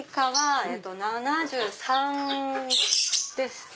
７３ですね。